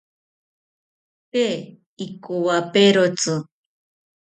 Tee ikowaperotzi